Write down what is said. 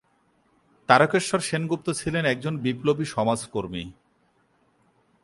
তারকেশ্বর সেনগুপ্ত ছিলেন একজন বিপ্লবী সমাজকর্মী।